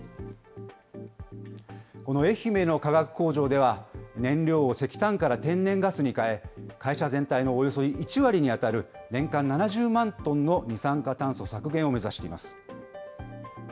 この愛媛の化学工場では、燃料を石炭から天然ガスに変え、会社全体のおよそ１割に当たる年間７０万トンの二酸化炭素削減を目指しています。